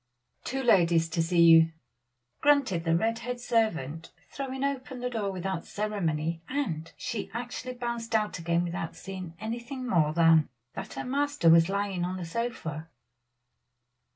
"Two ladies to see you," grunted the red haired servant, throwing open the door without ceremony; and she actually bounced out again without seeing anything more than that her master was lying on the sofa.